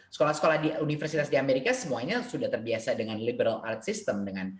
sekolah sekolah di universitas di amerika semuanya sudah terbiasa dengan sistem seni liberal